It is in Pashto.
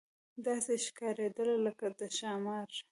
داسې ښکارېدله لکه د ښامار.